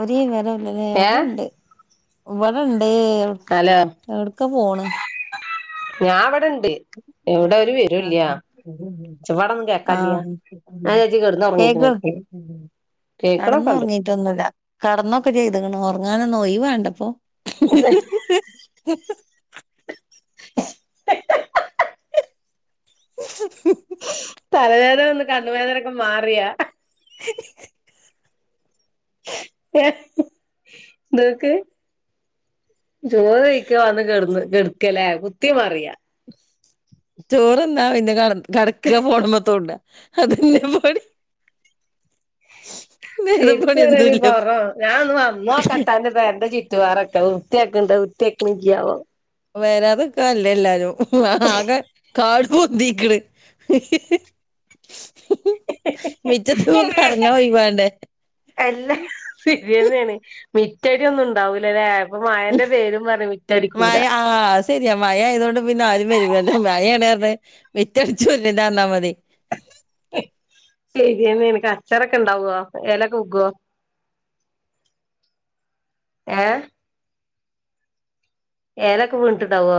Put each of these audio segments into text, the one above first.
ഒരു വിവരൂല്ലലേ ഏ ഇവിടെണ്ട് ഇവിടെണ്ട് ഏ ഹലോ എവിടക്കാ പോണ് ഞാൻ ഇവിടെണ്ട് എവിടെ ഒരു വിവരവുമില്ല ആഹ് ഒച്ചപ്പാടൊന്നും കേൾക്കാനില്ല ആഹ് നഞാൻ വിചാരിച്ചു ഇജ്ജ് കിടന്ന് ഉറങ്ങിക്കുണോ എ കിടന്നു ഉറങ്ങീട്ടൊന്നുമില്ല കിടന്നൊക്കെ ചെയ്ത്ക്ക്ണ് ഉറങ്ങാനൊന്നും ഒഴിവ് വേണ്ടെപ്പോ ഹ്ഹാ ഉ തലവേദന വന്ന് കണ്ണുവേദനൊക്കെ മാറിയാ ഹ്ഹാ ഹ്ഹാ നോക്ക് ചോറ് വൈക്കാ വന്ന് കിടന്ന് കെടുക്കാലേ കുത്തിമറിയ ചോറ്ന്നാ പിന്നെ കട കിടക്കാ ഫോണു മ്മെത്തോണ്ട അതെന്നെ പണി വേറെ ശരിക്ക് പറയാണെങ്കിൽ പണിയൊന്നുല്ല പറ ഞാനൊന്ന് വന്നോക്കട്ടെ അന്റെ പേരെന്റെ ചിട്ട വാറൊക്കെ വൃത്തിയാക്ക്ണ്ട് വൃത്തിയാക്ക്ണില്ലേ ആവോ വരാത്ക്കാ നല്ലത് എല്ലാരും ആകെ കാട് പൊന്തീക്ക്ണ് ഹ്ഹ്ഹ് മിറ്റത്തൊന്ന് എറങ്ങാൻ ഒഴിവാണ്ടേ അല്ല സെരിന്നെണ് മിറ്റടി ഒന്നും ഉണ്ടാവൂലല്ലേ ഇപ്പൊ മാഴന്റെ പേരും പറ്ഞ് മഴ ആ അത് സരിയാ മഴ ആയതൊണ്ട് പിന്നെ ആരും വരില്ലലോ മഴയാണെന്ന് പറഞ്ഞ് മിറ്റടിച്ചൊരിയേതാന്ന് പറ്ഞ്ഞാമതി സെരിന്നെണ് കച്ചറൊക്കെ ണ്ടാവോ എലക്കെ വിക്കോ ഏ എലോക്കെ വീണിട്ടുണ്ടാവോ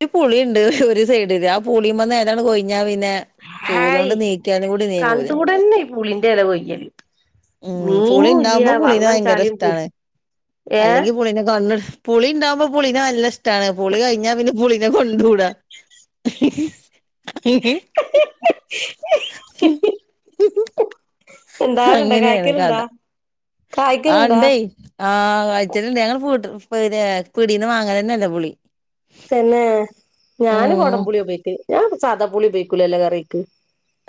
ഒരു പുളിയുണ്ട് ഒരു സൈഡില് ആ പുളിമെന്ന് എലങ്ങാട്ട് കോയ്ഞ്ഞിട്ട് ഞാൻ പിന്നെ ചൂല് ഹായ് കൊണ്ട് നീക്ക്യാലും കൂടി നീങ്ങൂല കണ്ടൂടന്നെ ഈ പുളിന്റെ എല കൊയ്യല് ഉം പുളി നീങ്ങൂല്ല ഉണ്ടാവുമ്പോ പുളിനെ വള്ളം ഭയങ്കര ചളിയും പുളി ഇഷ്ടാണ് ഏ അല്ലെങ്കി പുളീനെ കണ്ണ്ട്ത്താ പുളിയുണ്ടാവുമ്പോൾ പുളിനെ നല്ല ഇഷ്ടമാണ് പുളി കഴിഞ്ഞാ പിന്നെ പുളിനെ പുളിനെ കണ്ടൂടാ ഇഹ്ഹ് ഹ് ഹ് ശ് ഹ്ഹ് ണ്ടാവലുണ്ടോ കായ്കല്ണ്ടോ ആ ഉണ്ടെയ് ആ കായ്ച്ചല്ണ്ട് ഞങ്ങൾ ഉപ്പ്ട്ട് പിന്നെ പീടീന്ന് വാങ്ങലെന്നെല്ല പുളി തന്നെ ഞാന് ഉം കൊടംപുളിയാ ഉപയോഗിക്കല് ഞാൻ സാദാപ്പുളി ഉപയോഗിക്കൂലല്ലോ കറിക്ക്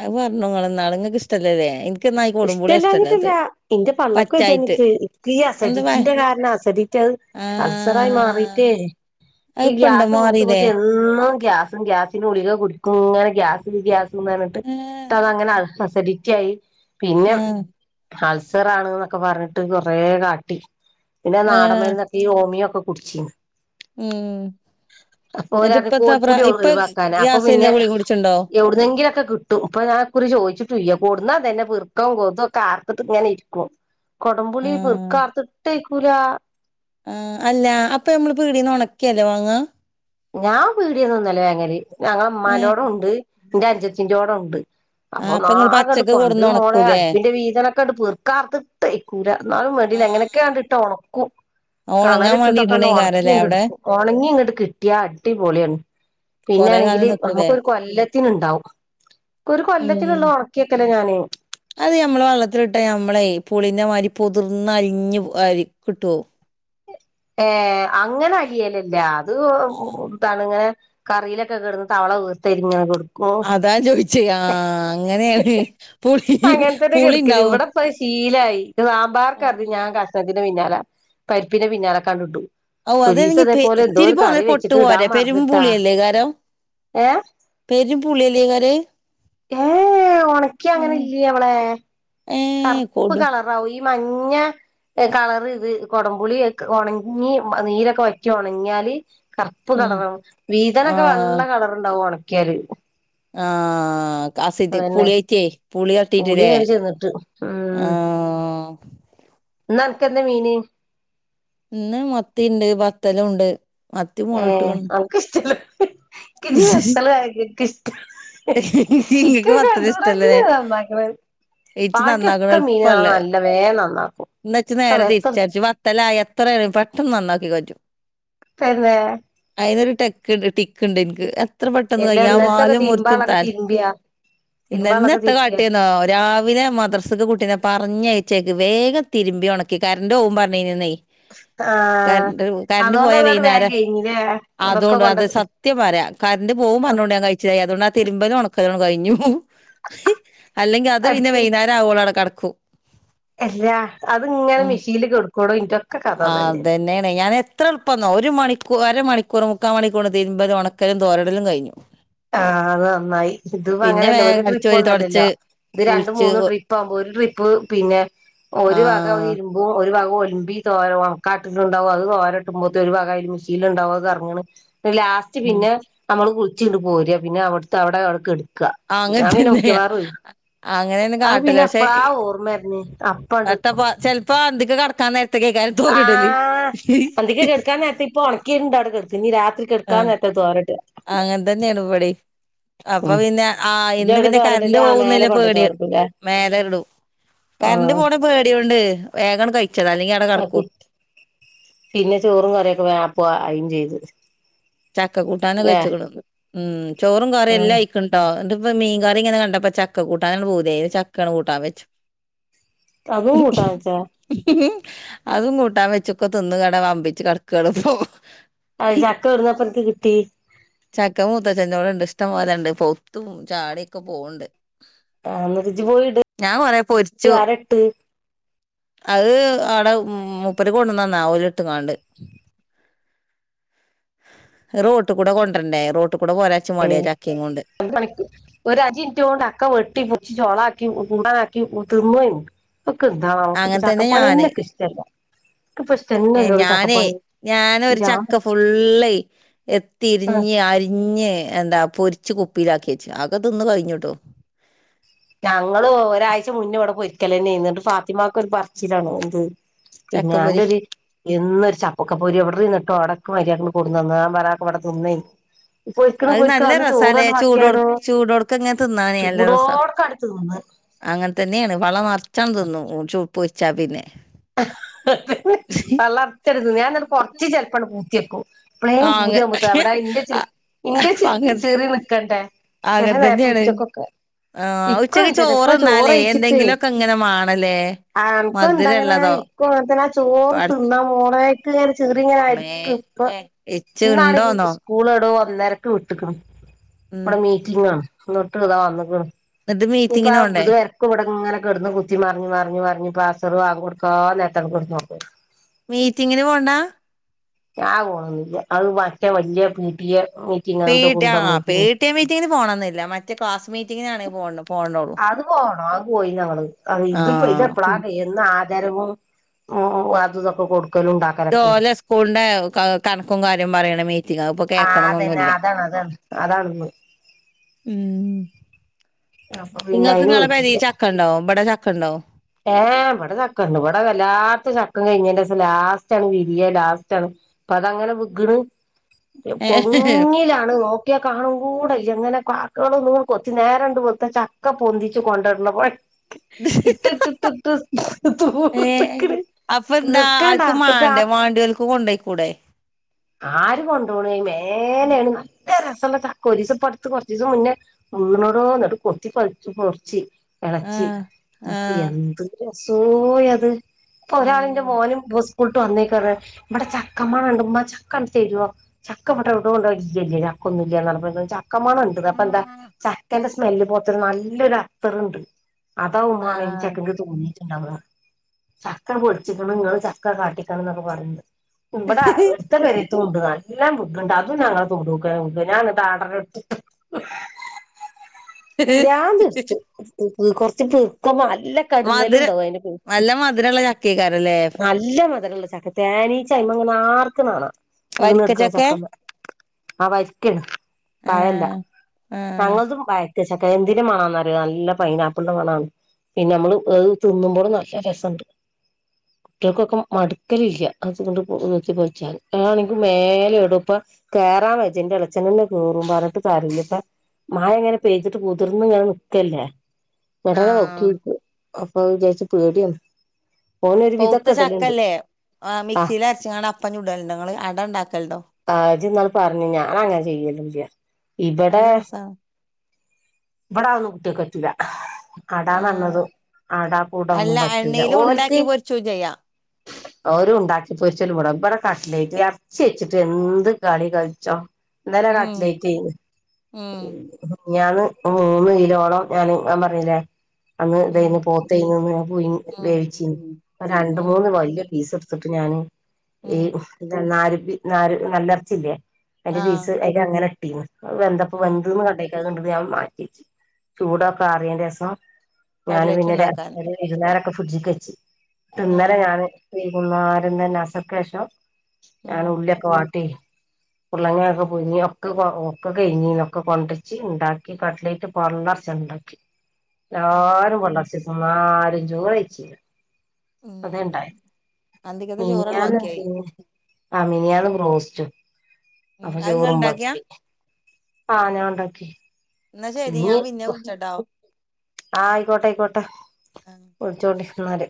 അത് പറഞ്ഞു ങ്ങള് ഇന്നാള് ങ്ങക്ക് ഇഷ്ടല്ലാലേ ഇന്ക് ഇഷ്ടമില്ലാഞ്ഞിട്ടല്ല ഇന്റെ പള്ളക്ക് പച്ചായിട്ട് വജ്ജാഞ്ഞിട്ട് ഈ എന്താ പ അസഡറ്റിന്റെ കാരണം അസഡറ്റി ആ അത്സറായി മാറിട്ടേ ഇക് അത് ഈ ഇപ്പണ്ടോ ഗ്യാസ് മൂത്ത് മാറീലേ മൂത്ത് എന്നും ഗ്യാസും ഗ്യാസിന്റെ ഗുളിക കുടിക്കും ഇങ്ങനെ ഗ്യാസ് ഗ്യാസ്ന്ന് പറഞ്ഞിട്ട് ഏ ഇന്നട്ട് അതങ്ങനെ അൾസസഡറ്റി റ്റിയായി പിന്നെ ആ അൾസറാണ് എന്നൊക്കെ പറഞ്ഞിട്ട് കൊറെ കാട്ടി പിന്നെ ആ നാടന്മരുന്നൊക്കെ ഈ ഹോമിയൊക്കെ കുടിച്ചീനി ഉം അപ്പോ ഓല് എന്നിട്ട് പറഞ്ഞു ഇപ്പത്താ പ്ര കോൽപുളി ഇപ്പ ഒഴിവാക്കാന് അപ്പൊ യാസീനിലെ പിന്നെ ഗുളിക കുടിച്ചിണ്ടോ എവിടുന്നെങ്കിലൊക്കെ കിട്ടും ഇപ്പൊ ഞാൻ ഇക്കുറി ചോദിച്ചിട്ടുല്ല കൊടുന്നാ ഇതെന്നെ പിറുക്കിം കൊതും ഒക്കെ ആർത്തിട്ട് ഇങ്ങനെ ഇരിക്കും ആ കൊടംപുളി പെറുക്ക ആർത്തിട്ട് കൂലാ. ആ അല്ല അപ്പൊ നമ്മള് പീടീന്ന് ഉണക്കിയെല്ലേ വാങ്ങ? ഞാൻ പീടിയ ന്നൊനല്ല വേങ്ങല് ഞങ്ങളെ ഏ ഇമമാന്റെോ ടെണ്ട് എന്റെ അൻജത്തിന്റേടെണ്ട്. ആ അപ്പൊ ഇങ്ങള് ഒന്നാകെ ങ്ങട്ട് പച്ചക്ക് കൊടുന്ന് കൊണ്ടെരും മോളെ ഒണക്കൂലേ അടുപ്പിന്റെ വീതനോക്കെ ണ്ട് പീർക്കാർത്ത്ട്ട് വെയ്ക്കൂല ഇന്നാലും വേണ്ടില എങ്ങനെയൊക്കെണ്ട് ട്ട് ഒണക്കും. ആ കണ ഒണങ്ങാൻ വേണ്ടി ലിട്ടിട്ടൊക്കെ അങ്ങട് ഒണക്കി ഇടണേക്കാരല്ലേ അവിടെ എടുക്കും ഉണങ്ങി ഇങ്ങട്ട് കിട്ടും. നല്ല അടിപൊളിയാണ് കൊറേ കാലം പിന്നെണെങ്കില് നിക്കൂലേ നമുക്കൊരു കൊല്ലത്തിന്ണ്ടാവും. ഉം അത് ഞമ്മളെ വള്ളത്തിലിട്ട ഞമ്മളെയ് പുളിന്റെമാതിരി പൊതിർന്ന അലഞ്ഞു പോ യ് കിട്ടോ? ഏ അങ്ങനെ അലിയലില്ല അത് ഇതാണ് ഇങ്ങനെ കറിയിലൊക്കെ കിടന്ന് തവള വീർത്തായിരിങ്ങനെ കെടക്കും - അതാ ചോയിച്ചേ ആഹ് അങ്ങനെയാണ് പുളി അങ്ങനത്തന്നെ കെടുക്കൽ പുളിണ്ടാവും. ഇവിടെപ്പത് ശീലായി. ഇത് സാമ്പാർക്കാത് ഞാൻ കഷ്ണത്തിന്റെ പിന്നാലെ പരിപ്പിന്റെ പിന്നാലെ കാങ്ങാട്ട്ടും ഔ അതാണെങ്കി ത്തിരി പോന്നൊരു പൊട്ടു വെച്ചിട്ട് ഇടാൻ പോരെ പെരും മറന്നിട്ടാ പുളിയല്ലേയ്കാരം. ഏ പെരും പളിയല്ലേക്കാരത്. ഏഹ് ഏ ഉണക്കിയ അങ്ങനെ ഇല്ല്യവളെ ഏഹ് കർപ്പ് കൊടും കളറാവും. മഞ്ഞ കളർ ഇത് കുടംപുളി ഉണങ്ങി നീരൊക്കെ വറ്റി ഒണങ്ങിയാല്. കറുപ്പ് ഉം കളറും വീതനൊക്കെ വെള്ള ആഹ് കളറുണ്ടാവും ഉണക്കിയാല്. ആഹ ആസിഡ് പൂളി ആയിട്ടെ പൂളി തട്ടിയിട് പുളി ലെ ഇങ്ങട് ചെന്നിട്ട് ആഹ ഇന്നന് ക്കെന്താ മീന്? ഇന്ന് മത്തിണ്ട് ബത്തലൂണ്ട് മത്തി മുളക് ഏഹ് ട്ട്ക്ക്ണ്. അനക്കിഷ്ടല്ല [unintelligible] ഇങ്ങക്ക് ഇക്കത് വത്തല് ഇഷ്ടല്ലേ കണ്ടൂടെന്നെ നന്നാക്ക്ണത്. ഇച്ച് ബാക്കിയൊക്കെ മീന് നാ നല്ല വേം നന്നാക്കും. ന്ന ഇച്ച് ഒക്കെ നേരെ വെത്തല് തിരിച്ച ഇജ്ജ് വത്തലായ എത്രയാലും പെട്ടെന്ന് നന്നാക്കി കജും. തെന്നെ അയിനൊരു ടെക്ക്ണ്ട് ടിക്ക്ണ്ട് എനിക്ക് എത്ര പെട്ടന്ന് എല്ലാ കയ്യും ആ ഇന്നലത്തൊക്കെ വാലും മുർച്ചും തിരുമ്പാള്ളൊക്കെ തലെ തിരുമ്പിയാ എന്ന ഇന്ന് തിരുമ്പാള്ളൊക്കെ എന്താ തിരുമ്പിയാ കാട്ടിന്നോ രാവിലെ മദ്രസക്ക് കുട്ടീനെ പറഞ്ഞയച്ചേക് ക്കി വേഗം തിരുമ്പി ഉണക്കി കറണ്ട് പോവും പറഞ്ഞീനിന്നെയ്. ആഹ് കർണ്ട് കർണ്ട് അതോണ്ട് പോയാ ഏതാണ്ട് വേം വൈന്നേരം കഴിഞ്ഞില്ലേ അതൊക്കെ അതുകൊണ്ട് അത് കൊണ്ടന്ന് സത്യ പറ കറണ്ട് പോവും പറഞ്ഞോണ്ട് ഞാൻ കഴിച്ചിലായി അതുകൊണ്ടാ തിരുമ്പലും ഉണക്കലും കഴിഞ്ഞു. അല്ലെങ്കി അത് പിന്നെ അടിക്കല് വൈന്നേരം ആവോളം അവിടെ കടക്കും. എല്ലാ അത് ഇങ്ങനെ ഉം മെഷീനിൽക്കെടക്കെടോ ഇന്റൊക്കെ കഥ അതന്നെ. ഞാന് എത്ര എളുപ്പംന്നോ ഒരു മണിക്കൂ അര മണിക്കൂർ മുക്കാ മണിക്കൂറോണ്ട് തിരുമ്പലും ഉണക്കലും തോരടലും കഴിഞ്ഞു. ആ അത് നന്നായി ഇത് ഇപ്പൊ പിന്നെ അങ്ങനല്ല ഒരു വേഗം ട്രിപ്പ് അടിച്ചുവാരി തുടച്ച് ഒന്നല്ലല്ലോ? ഇത് രണ്ട് കുളിച്ച് മൂന്നും ട്രിപ്പ് ആവുമ്പോ ഒരു ട്രിപ്പ് പിന്നെ ഒരു വക ആഹ് ഇരുമ്പും ഒരു വക ഒലുമ്പി തോര ഉണക്കാട്ടിട്ടുണ്ടാവു അത് തോര ഇട്ടുമ്പോത്തെ ഒരു വക മിഷീനില് ഉണ്ടാവും അത് കറങ്ങ്ണ്. ലാസ്റ്റ് ഉം പിന്നെ നമ്മള് കുളിചിങ്ങ്ട്ട് പോര പിന്നെ അവിടുത്തെ അവിടെ അവ കെട് ക്ക. ആ, അങ്ങനെ ഞാൻ പിന്ന തന്നെയാ മിക്കിയവാറുഏ അങ്ങനെയൊന്നും അത് കാട്ടല് പിന്നെ പക്ഷെ എപ്പാളാ ഓർമ്മ വര്ണേ അപ്പണ്ട്. [unintelligible] ചെലപ്പോ അന്തിക്ക് ക [unintelligible] ക്കാരും തോരിടല്. ആഹ് അന്തിക്ക് കെടക്കാൻ നേരത്ത് ഇപ്പൊ ഒണക്കിയിട്ടുണ്ട് അവിടെ കെടക്കും ഇനി രാത്രി ആ കെടക്കാൻ നേരത്താ തോരയിടുക അങ്ങൻതന്നെയാണ് ഇവടിം. അപ്പൊ ഉം പിന്നെ ആ ഇജ്ജ് ഇന്ന് എവിടെ പിന്നെ കറണ്ട് തോരയിടല് ആഹ് പോകുന്നില്ല മേലെ കൊണ്ടോയി പേടി തോരയിടുല്ലേ മേല ഇടും. കറണ്ട് ആഹ് പോണ പേടിയൊണ്ട് വേഗണ് കഴിച്ചതാ അല്ലെങ്കി അവിടെ കിടക്കും. പിന്നെ ചോറും കറിയൊക്കെ വേ അപ്പം ആയും ചെയ്തു. ചക്ക കൂട്ടാന കഴിച്ച്ക്ക്ണ്ന്ന് ഉം ചോറും കറിയും എല്ലാം ആയിക്ണ് ട്ടോ ഇപ്പ മീൻകറി ഇങ്ങനെ കണ്ടപ്പ ചക്ക കൂട്ടാനണ് പൂതിയായി ചക്കണ് കൂട്ടാൻ വെച്ചു. അതും കൂട്ടാൻ വെച്ചാ? അതും കൂട്ടാൻ വെച്ചൊക്കെ തിന്ന് കട വമ്പിച്ച് കടക്കാണപ്പോ. അത് ചക്ക എടുന്നപ്പൻക്ക് കിട്ടി? ചക്ക മൂത്തച്ചെൻ്റോടെ ഇണ്ട് ഇഷ്ടം പോലെണ്ട്. പൗത്തും ചാടിയൊക്കെ പോണണ്ട്. ആ അന്നതിച്ചു പോയിട്ട് കൊറേ പൊരിച്ചു ആരട്ട്? അത് അവിടെ മുപ്പര് കൊണ്ട്ന്നന്ന ഓലിട്ടുംങ്ങാണ്ട്. റോട്ട് കൂടെ കൊണ്ടരണ്ടേ റോട് ഏ ഒരുമണിക്ക്. ഒരു അഞ്ചിൻറ്റോണ്ട് ചക്ക വെട്ടി പൊളിച്ച് ചോളാ ക്കി കൂട്ടാനാകി തിന്നു കഴിഞ്ഞ്. ഇക്കെന്താന്നാവോ അങ്ങനെ തന്നെ ചക്കപ്പണി ഞാന് എന്നെ എനിക്ക് ഇഷ്ടല്ല. ഇപ്പ ഏ ഇഷ്ടന്നല്ലോട ഞാനേ ചക്കപ്പണി ഞാനൊരു ചക്ക ഫുള്ള് എത്തിരിഞ്ഞ് ആഹ് ഞ്ഞ് അരിഞ്ഞ് എന്താ പൊരിച്ച് കുപ്പിയിലാക്കി വെച്ചു ആക്കെ തിന്ന് കഴിഞ്ഞുട്ടോ. ഞങ്ങള് ഒരാഴ്ച മുന്നേ ഇവിടെ പൊരിക്കലന്നെയേന്ന്. എന്നിട്ട് ഫാത്തിമാക്ക് ഒരു പറച്ചിലാണ് എന്ത് പിന്നെ ചക്കപ്പൊരി അന്റൊരി എന്നൊരു ചപ്പക്കപ്പൊരി എവിടനിന്നിട്ടോ ഉടക്ക് മര്യാക്കണം കൂടുന്നന്നാ വരാക്ക് വ്ട തിന്നേനി പൊരിക്കണോ അത് പൊരിക്കണോ നല്ല ഒന്ന് രസല്ലേ ചോറണ്ട് ചൂടോ ബാക്കിയായിടോ ചൂടോടുക്ക ഇങ്ങനെ തിന്നാനേ നല്ല രസ ചൂടോടക്കാണ്ട് തിന്ന് അങ്ങനെ തന്നെയാണ് പള്ള നർച്ചങ് തിന്നും ച്ചു പൊരിച്ചാ പിന്നെ പള്ളർച്ചട് തിന്നും ഞാൻ എന്നിട്ട് കൊർച്ച് ചെലപ്പണ്ട് പൂത്തിയക്കും ആ ഇപ്പളേയും അങ്ങ പൂതിയാ മുത്ത അങ്ങ അവിടെ ഇന്റെ ചെ ഇന്റെ ചി അങ്ങനെ ചിറി നിക്കട്ടേ ചെല അങ്ങനെ നേരത്ത് തന്നെയാണ് ഉച്ചക്കൊക്കെ ആ ഇക്കൊ ഉച്ചക്ക് അങ്ങൻത്തന്നെ ഇപ്പൊ ചോറ് തിന്നാലേ ചോറയിച്ചിട്ട് എന്തെങ്കിലുമൊക്കെ ഇങ്ങനെ വേണല്ലേ ആ ൻക്കും എന്താങ്ങന ആ മധുരമുള്ളതോ ഇക്കു അങ്ങൻതന്നെ ആ ചോറ് തിന്നാ പട മോളേ ഇക്കിങ്ങനെ ചിറി മ്മേ ഇങ്ങനരിക്കും ഇപ്പൊ എച്ച് ഇന്നാണെങ്കി ഉണ്ടോന്നോ സ്കൂൾ എടോ ഒന്നരക്ക് വിട്ട്ക്ണ്. ഉം ഇവിടെ മീറ്റിങ്ങാണ് എന്നട്ടതാ വന്ന്ക്ക്ണ് എന്നിട്ട് ഇപ്പൊ മീറ്റിങ്ങിന് പോണ്ടേ അമ്പത് പരക്ക് ഇവിടങ്ങനെ കെടന്ന് കുത്തി മറിഞ് മറിഞ്ഞ് മറിഞ്ഞ് ഇപ്പൊ അസർ ബാങ്കൊട് കാ നേരത്തട്ട് കിടനോറങ്ങാ മീറ്റിങ്ങിന് പോണ്ട ഞാൻ പോണോന്നുല്യാ അത് മറ്റേ വലിയ പപിടിയെ പി ടിഎ ആ പിടിയെ മീറ്റിങ്ങിന് പോണൊന്നില്ല മറ്റേ ക്ലാസ് മീറ്റിങ്ങിനാണെങ്കിൽ പോണോള്ളു അത് പോണം അത് പോയി ന അ ഇത് ഇതപ്പള എന്ന ആദരവും ഉം ഉം അത് ഇതൊക്കെ കൊടുക്കും ഇതോലെ സ്കൂളിന്റെ കണക്കും കാര്യം പറയണ മീ മീറ്റിങ്ങ് ഇപ്പൊ ആ അതന്നെ കേക്കണംന്നൊന്നുല്ല അതാണ് അതാണ് അതാണിന്ന് ഉം അപ്പൊ പിന്നെ നിങ്ങൾക്ക് അയിന് ഇങ്ങളെ പെരി പോയിട്ടില്ല ചക്കണ്ടോ ഇവടെ ചക്ക ണ്ട ഏ ഇവിടെ ചക്കണ്ട് ഇവിടെ വല്ലാത്ത ചക്ക കഴിഞ്ഞന്റെസം ലാസ്റ്റ് ആണ് വിരിയ ലാസ്റ്റ് ആണ് അപ്പൊ അതങ്ങനെ വിഗ്ഗ്ന് കൊങ്ങിലാണ് നോക്കിയാ കാണും കൂടല്ലേ ങ്ങനെ കാക്കകളൊന്നൂ കൊത്തി നേരണ്ട് പോത്ത ചക്ക പൊന്തിച്ചു കൊണ്ടരണ പണി ഹി ഹി ഹി ഏ തീർത്തക്കണ് അപ്പൊ എന്താ തീർക്കാൻ ആർക്കും ടാർത്തിട്ട് ആ മാണ്ടേ മണ്ട്യോൾക്ക് കൊണ്ടോയിക്കൂടെ ഏ ആര് കൊണ്ടോണ് മേലേന്ന് നല്ല റസല്ല ചക്ക ഒരേസം പ്പം അടത് കോർചീസം മുന്നേ പൊ [unintelligible] ത്ത് കൊത്തി പറിച്ച് മുറിച്ച് ആ ഇപ്പം എന്ത് രസൂയത് പ്പം ഒരാളിന്റെ മോനും [inaudible] സ്കൂൾട്ട് വന്നേക്കാണ് ഇബട ചക്കമണം ണ്ട് ഇമ്മ ചക്കട്തരോ ചക്ക ഇബടെ ഓടോ ണ്ടോ ലോ [unintelligible] ഒന്നുല്യന്നാണ് പാറിനെ ചക്കമണംണ്ട് ന്ന് അപ്പ ഉം എന്താ ചക്കന്റെ സ്മെല്ല് പോലത്തൊരു നല്ലൊരു അത്തറുണ്ട് അതാവും മാണേങ്കി ആയിൻ ആഹ് ചക്കക്ക് [unintelligible] തോന്നിയിട്ടുണ്ടാവുന്ന ചക്ക പൊളിച്ചിക്കുന്ന ങ്ങള്ചക്ക കാട്ടിക്കണം ന്നൊക്കെ പറയിണ്ട് ഇവിടെ അടുത്ത പേരില് തണ്ട [unintelligible] എല്ലാം വുഗു [unintelligible] ണ്ട് അതും [unintelligible] ഞങ്ങൾ തൂ [unintelligible] ടൂക്കാ ഞ അങ്ങ താടർ [inaudible] പിരാന്ത്ടുച്ചും കൊറച്ച് [unintelligible] പീക്കമാല നല്ല കടുന്നലും മധുരം ഉണ്ടാവും അതിൻ്റെ ചോട്ടില് നല്ല മധുരള്ള ചക്കേക്കാരല്ലേ നല്ല മതരള്ള ചക്കിൻ പ്പ തേനീച അയ്മലിംഗനെ ആർക്ക്ണ് കാണാ വരിക്ക വീണട്ക്കണ ചക്കെ ചക്കമ്മെ ആ വരിക്കേന് പയല്ല ആഹ് ആഹ് ഞങ്ങളതും വ ചക്ക എന്തിന്റെ മണന്നറിയ നല്ല പൈനാപ്പിളിന്റെ മണണ് പിന്നെ നമ്മള് ഏ തിന്നുമ്പോളും നല്ല രസുണ്ട് കുട്ടികൾക്കൊക്കെ മടുക്കലില്ല അതുകൊണ്ട്ത്തിപ്പോച്ചാൽ ആതണെങ്ക മേലെ ഇടും ഇപ്പ ആ വേജന്റെ എളച്ചനന്നെ കയറും പറഞ്ഞിട്ട് കാര്യല്ല ഇപ്പ മയങ്ങനെ പെയ്തിട്ട് കുതിർന്ന്ങ്ങനെ നിക്കല്ലേ [unintelligible] ഇടത ആഹ് നോക്കിട്ട് അപ്പൊ വിചാരിച്ച പേടിയന്ന് പൗത്ത ചക്കല്ലേ ആ് ആഹ് മിക്സിൽ അരച്ചങ്ങാണ്ട് അപ്പം ചൂടല്ണ്ട ങ്ങള് അട ഉണ്ടാക്കലുണ്ടോ പറഞ് ഞാനങ്ങനെ ചെയ്യലില്ല ഇവിടെ നല്ല രസാണ് ഇവിട അതൊന്നും കുട്ട്യേക്കറ്റൂല അടാ ആഹ് ന്നറഞ്ഞത് അടാ കൂട അല്ല ഒന്നും പറ്റൂല എണ്ണയിലും ഓൽക്ക് ഉണ്ടാക്കി പൊരിച്ചും ചെയ്യാ അവര ഉണ്ടാക്കി പൊരിച്ചലുവട ഇവടെ കട്ട്ലായിറ്റ് എർച്ചി വെച്ചിട്ട് എന്ത് കളി കളിച്ചോ ന്നലെ ഉം കട്ലയിറ്റേനി ഉം മിഞാന്ന് മൂന്ന് കിലോളം ഞാന് ഞാൻ പറഞ്ഞീലെ. അന്ന് ഉം ഇതേനി പോത്തേനീന്ന് ഞാന് പുയ് ഉം വേവിച്ചി രണ്ട് ഉം മൂന്ന് വലിയ പീസ് എടുത്തിട്ട് ഞാന് ഈ ഉം [unintelligible] ന്നാര് നല്ലർച്ചില്യേ അയിന്റെ ആഹ് പീസ് അയിലങ്ങനെ ഇട്ടീനി ആവന്തപ്പ ആഹ് വന്ത്ന്ന് കണ്ട ഞാൻ കണ്ടാണ് മാറ്റ്യേച്ച് ചൂടൊക്കെ ആറിയെന്റെസം ഞാന് കട്ലറ്റ് പിന്നെ ഇണ്ടാക്കാന് [unintelligible] വെയ്ന്നാരോക്കെ ഫ്രിഡ്ജ്ക്ക് വെച്ച് ട്ട് ന്നലെ ആഹ് ഞാന് വൈകുന്നേരം തന്നെ അസർക്കേഷം ഉം ഞാന് ഉള്യോക്കെ വാട്ടി ഉർളങ്ങെങ്ങൊക്കെ പൂയ്ങ്ങി ഒക്കെ ഒക്കെ കയിഞ്ഞീനി ഒക്കെ കൊണ്ടെര്ച്ച് ണ്ടാക്കി കട്ലറ്റ് പള്ളർച് ണ്ടാക്കി ആഹ് എല്ലാരും പള്ളർച്ച്ന്ന് പിന്നാരും ചോറെയ്ച്ചീല ഉം അതെണ്ടായി അന്തിക്കത്തെ ചോറാണ് ബാക്കിയായി മിനിയാന്നെന്തേനി അ മിനിയാന്ന് ബ്രോസ്റ്റും ഉം അപ്പൊ അത് ഇങ്ങള് ഇണ്ടാക്കിയാ ചോറുമ്പാക്കി ആഹ ഞാൻണ്ടാക്കി. എന്നാ ശരി ഇഞ്ഞി ഞാൻ പിന്നെ വിളിച്ചട്ടോ ആ ആയിക്കോട്ടെ ആയിക്കോട്ടെ ആ വിൾച്ചോണ്ടി ന്നാല്